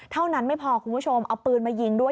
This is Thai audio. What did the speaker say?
เท่านั้นไม่พอคุณผู้ชมเอาปืนมายิงด้วย